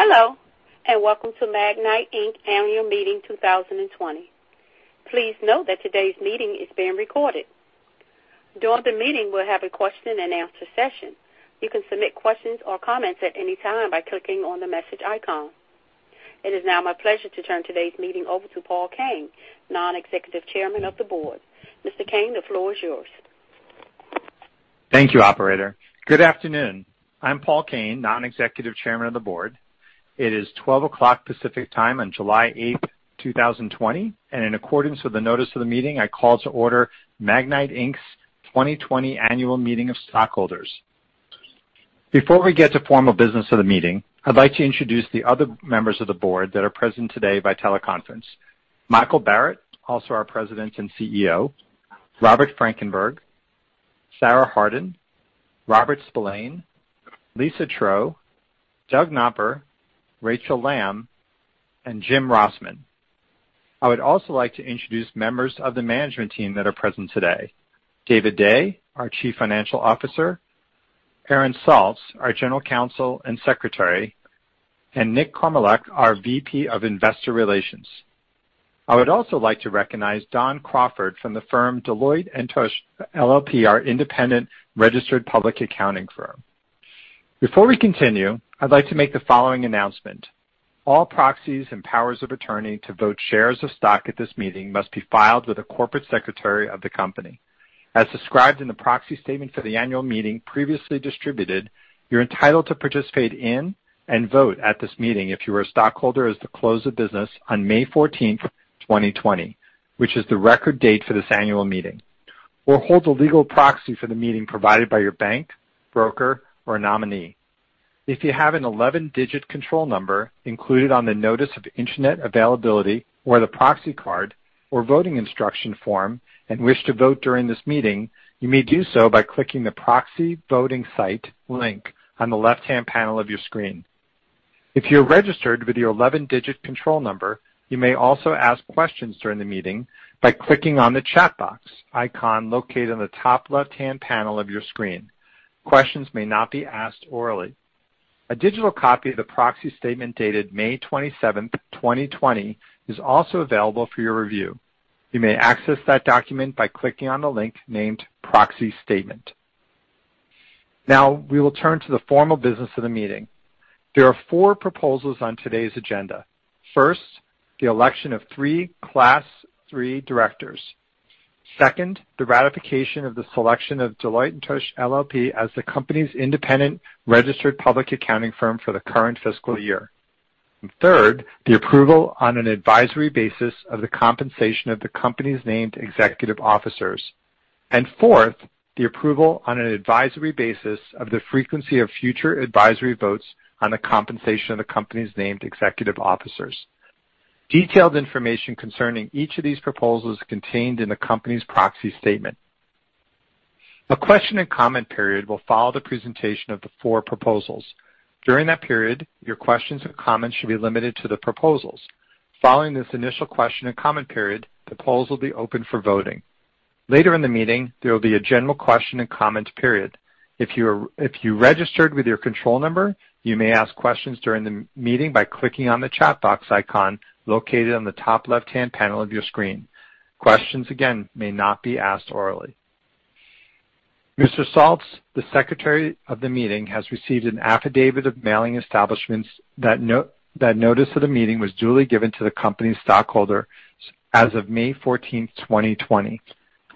Hello, and welcome to Magnite, Inc. Annual Meeting 2020. Please note that today's meeting is being recorded. During the meeting, we'll have a question and answer session. You can submit questions or comments at any time by clicking on the message icon. It is now my pleasure to turn today's meeting over to Paul Caine, Non-Executive Chairman of the Board. Mr. Caine, the floor is yours. Thank you, operator. Good afternoon. I'm Paul Caine, Non-Executive Chairman of the Board. It is 12:00 P.M. Pacific Time on July 8th, 2020, and in accordance with the notice of the meeting, I call to order Magnite, Inc.'s 2020 Annual Meeting of Stockholders. Before we get to formal business of the meeting, I'd like to introduce the other members of the board that are present today by teleconference. Michael Barrett, also our President and CEO, Robert Frankenberg, Sarah Harden, Robert Spillane, Lisa Troe, Doug Knopper, Rachel Lam, and Jim Rossman. I would also like to introduce members of the management team that are present today. David Day, our Chief Financial Officer, Aaron Saltz, our General Counsel and Secretary, and Nick Kormeluk, our VP of Investor Relations. I would also like to recognize Don Crawford from the firm Deloitte & Touche LLP, our independent registered public accounting firm. Before we continue, I'd like to make the following announcement. All proxies and powers of attorney to vote shares of stock at this meeting must be filed with the corporate secretary of the company. As described in the proxy statement for the annual meeting previously distributed, you're entitled to participate in and vote at this meeting if you were a stockholder as of the close of business on May 14th, 2020, which is the record date for this annual meeting, or hold a legal proxy for the meeting provided by your bank, broker, or a nominee. If you have an 11-digit control number included on the notice of internet availability or the proxy card, or voting instruction form and wish to vote during this meeting, you may do so by clicking the proxy voting site link on the left-hand panel of your screen. If you're registered with your 11-digit control number, you may also ask questions during the meeting by clicking on the chat box icon located on the top left-hand panel of your screen. Questions may not be asked orally. A digital copy of the proxy statement dated May 27th, 2020, is also available for your review. You may access that document by clicking on the link named Proxy Statement. Now, we will turn to the formal business of the meeting. There are four proposals on today's agenda. First, the election of three Class III directors. Second, the ratification of the selection of Deloitte & Touche LLP as the company's independent registered public accounting firm for the current fiscal year. Third, the approval on an advisory basis of the compensation of the company's named executive officers. Fourth, the approval on an advisory basis of the frequency of future advisory votes on the compensation of the company's named executive officers. Detailed information concerning each of these proposals is contained in the company's proxy statement. A question and comment period will follow the presentation of the four proposals. During that period, your questions or comments should be limited to the proposals. Following this initial question and comment period, the polls will be open for voting. Later in the meeting, there will be a general question and comment period. If you registered with your control number, you may ask questions during the meeting by clicking on the chat box icon located on the top left-hand panel of your screen. Questions, again, may not be asked orally. Mr. Saltz, the secretary of the meeting, has received an affidavit of mailing establishments that notice of the meeting was duly given to the company stockholder as of May 14th, 2020,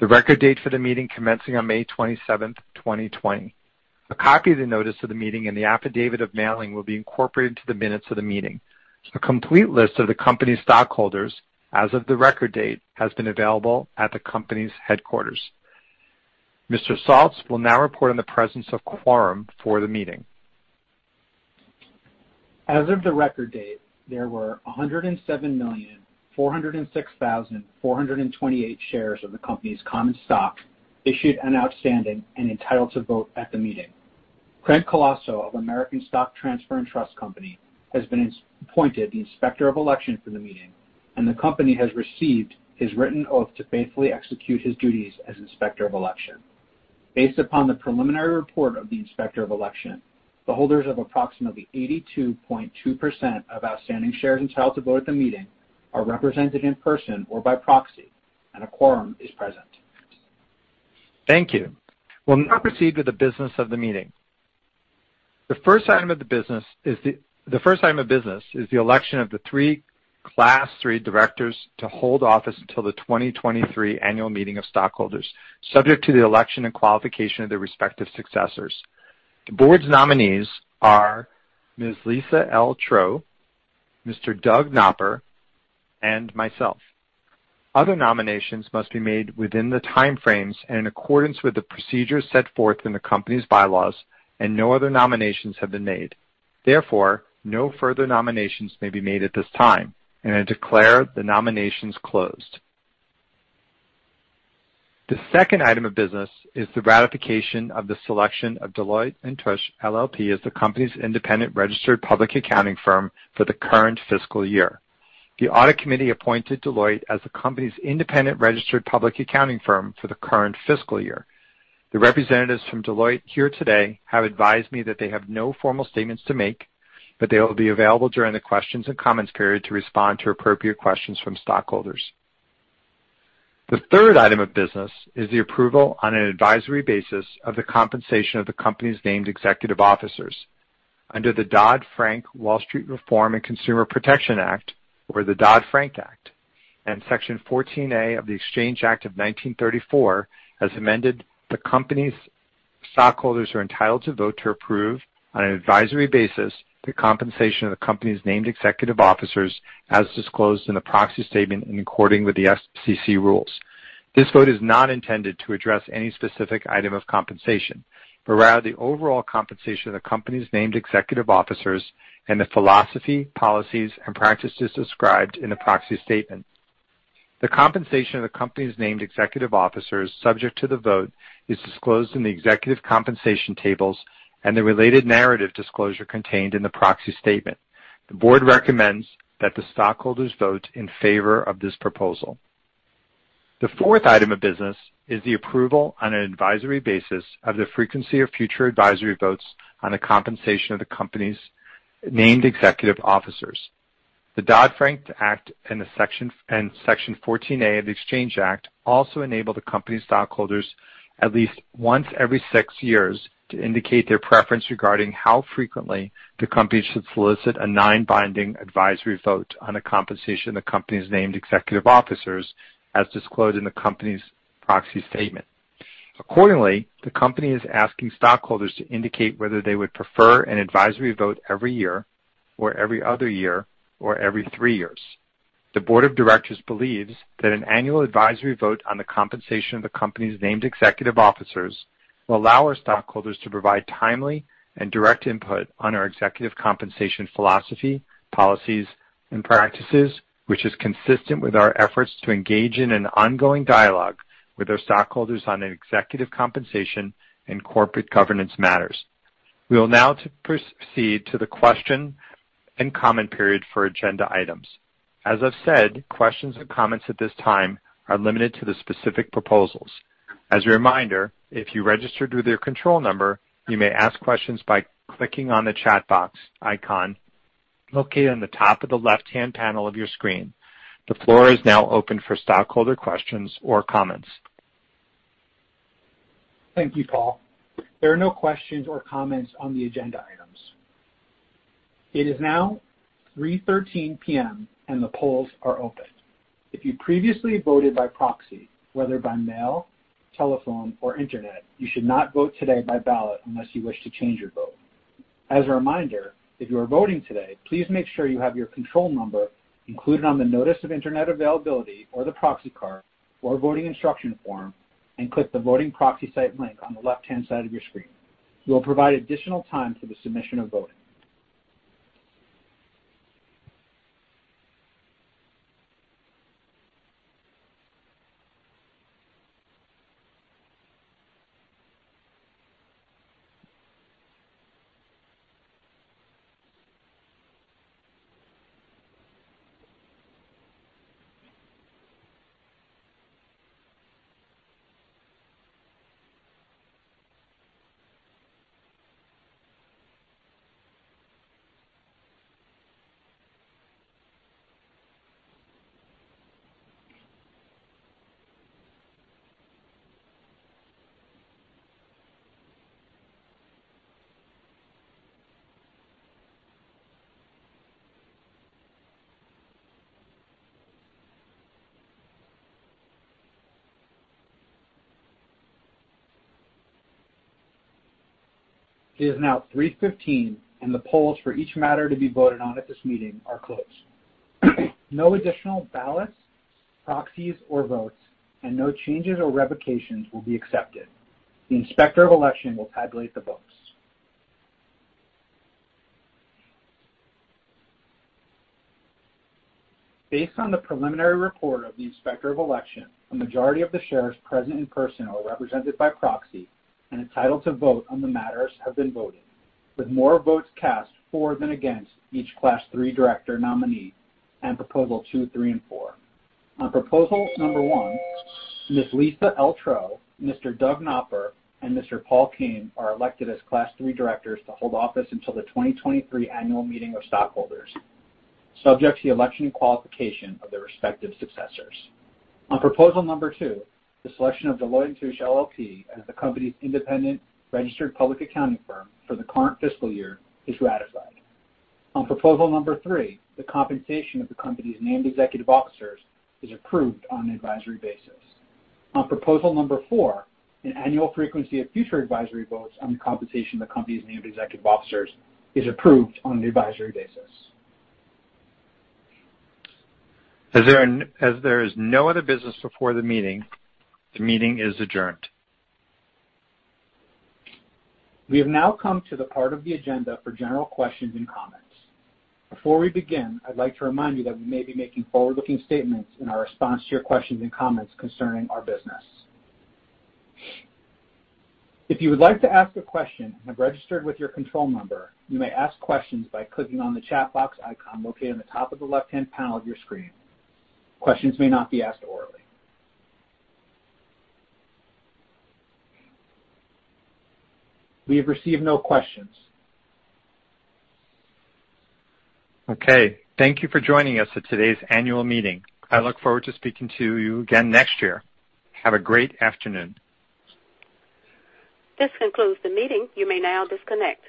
the record date for the meeting commencing on May 27th, 2020. A copy of the notice of the meeting and the affidavit of mailing will be incorporated into the minutes of the meeting. A complete list of the company stockholders as of the record date has been available at the company's headquarters. Mr. Saltz will now report on the presence of quorum for the meeting. As of the record date, there were 107,406,428 shares of the company's common stock issued and outstanding and entitled to vote at the meeting. Craig Colosso of American Stock Transfer & Trust Company has been appointed the Inspector of Election for the meeting, and the company has received his written oath to faithfully execute his duties as Inspector of Election. Based upon the preliminary report of the Inspector of Election, the holders of approximately 82.2% of outstanding shares entitled to vote at the meeting are represented in person or by proxy, and a quorum is present. Thank you. We'll now proceed with the business of the meeting. The first item of business is the election of the three Class 3 directors to hold office until the 2023 annual meeting of stockholders, subject to the election and qualification of their respective successors. The board's nominees are Ms. Lisa L. Troe, Mr. Doug Knopper, and myself. Other nominations must be made within the time frames and in accordance with the procedures set forth in the company's bylaws. No other nominations have been made. Therefore, no further nominations may be made at this time, and I declare the nominations closed. The second item of business is the ratification of the selection of Deloitte & Touche LLP as the company's independent registered public accounting firm for the current fiscal year. The audit committee appointed Deloitte as the company's independent registered public accounting firm for the current fiscal year. The representatives from Deloitte here today have advised me that they have no formal statements to make, but they will be available during the questions and comments period to respond to appropriate questions from stockholders. The third item of business is the approval on an advisory basis of the compensation of the company's named executive officers. Under the Dodd-Frank Wall Street Reform and Consumer Protection Act, or the Dodd-Frank Act, and Section 14 of the Exchange Act of 1934 as amended, the company's stockholders are entitled to vote to approve on an advisory basis the compensation of the company's named executive officers as disclosed in the proxy statement in according with the SEC rules. This vote is not intended to address any specific item of compensation, but rather the overall compensation of the company's named executive officers and the philosophy, policies, and practices described in the proxy statement. The compensation of the company's named executive officers subject to the vote is disclosed in the executive compensation tables and the related narrative disclosure contained in the proxy statement. The board recommends that the stockholders vote in favor of this proposal. The fourth item of business is the approval on an advisory basis of the frequency of future advisory votes on the compensation of the company's named executive officers. The Dodd-Frank Act and Section 14 of the Exchange Act also enable the company's stockholders at least once every six years to indicate their preference regarding how frequently the company should solicit a non-binding advisory vote on the compensation of the company's named executive officers, as disclosed in the company's proxy statement. Accordingly, the company is asking stockholders to indicate whether they would prefer an advisory vote every year or every other year or every three years. The board of directors believes that an annual advisory vote on the compensation of the company's named executive officers will allow our stockholders to provide timely and direct input on our executive compensation philosophy, policies, and practices, which is consistent with our efforts to engage in an ongoing dialogue with our stockholders on executive compensation and corporate governance matters. We will now proceed to the question and comment period for agenda items. As I've said, questions and comments at this time are limited to the specific proposals. As a reminder, if you registered with your control number, you may ask questions by clicking on the chat box icon located on the top of the left-hand panel of your screen. The floor is now open for stockholder questions or comments. Thank you, Paul. There are no questions or comments on the agenda items. It is now 3:13 P.M., and the polls are open. If you previously voted by proxy, whether by mail, telephone, or internet, you should not vote today by ballot unless you wish to change your vote. As a reminder, if you are voting today, please make sure you have your control number included on the notice of internet availability or the proxy card or voting instruction form and click the voting proxy site link on the left-hand side of your screen. We will provide additional time for the submission of voting. It is now 3:15 P.M., and the polls for each matter to be voted on at this meeting are closed. No additional ballots, proxies, or votes and no changes or revocations will be accepted. The Inspector of Election will tabulate the votes. Based on the preliminary report of the Inspector of Election, a majority of the shares present in person or represented by proxy and entitled to vote on the matters have been voted, with more votes cast for than against each Class III director nominee and Proposal two, three, and four. On Proposal Number one, Ms. Lisa L. Troe, Mr. Doug Knopper, and Mr. Paul Caine are elected as Class III directors to hold office until the 2023 annual meeting of stockholders, subject to the election and qualification of their respective successors. On Proposal Number two, the selection of Deloitte & Touche LLP as the company's independent registered public accounting firm for the current fiscal year is ratified. On Proposal Number three, the compensation of the company's named executive officers is approved on an advisory basis. On Proposal Number four, an annual frequency of future advisory votes on the compensation of the company's named executive officers is approved on an advisory basis. As there is no other business before the meeting, the meeting is adjourned. We have now come to the part of the agenda for general questions and comments. Before we begin, I'd like to remind you that we may be making forward-looking statements in our response to your questions and comments concerning our business. If you would like to ask a question and have registered with your control number, you may ask questions by clicking on the chat box icon located on the top of the left-hand panel of your screen. Questions may not be asked orally. We have received no questions. Okay. Thank you for joining us at today's annual meeting. I look forward to speaking to you again next year. Have a great afternoon. This concludes the meeting. You may now disconnect.